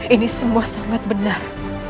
ini semua sangat benar